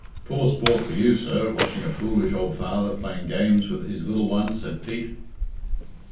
"Poor sport for you, sir, watching a foolish ould father playing games with his lil one," said Pete.